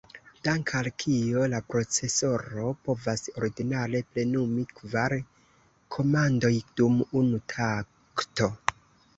Dank’ al kio, la procesoro povas ordinare plenumi kvar komandoj dum unu takto.